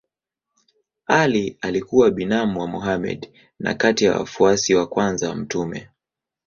Ali alikuwa binamu wa Mohammed na kati ya wafuasi wa kwanza wa mtume.